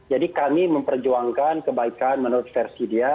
jadi kami memperjuangkan kebaikan menurut versi dia